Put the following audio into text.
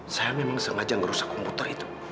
saya memang sengaja merusak komputer itu